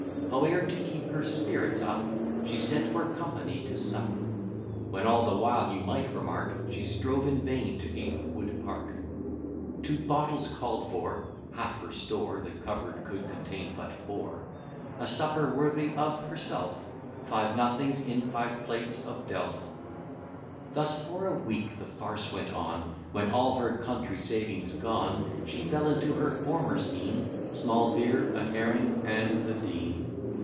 Howe'er, to keep her spirits up, She sent for company to sup: When all the while you might remark, She strove in vain to ape Wood Park. Two bottles call'd for, (half her store, The cupboard could contain but four:) A supper worthy of herself, Five nothings in five plates of delf. Thus for a week the farce went on; When, all her country savings gone, She fell into her former scene, Small beer, a herring, and the Dean.